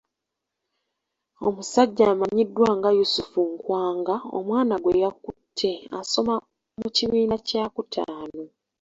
Omusajja amanyiddwa nga Yusuf Nkwanga omwana gweyakutte asoma mu kibiina kya kutaano.